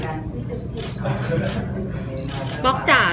อันนี้ก็มองดูนะคะ